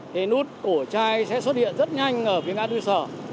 thế nút cổ chai sẽ xuất hiện rất nhanh ở phía ngã đu sở